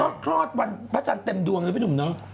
ก็คลอดวันพระจันทร์เต็มดวงเลยพี่หนุ่มเนาะ